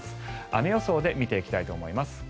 雨予想で見ていきたいと思います。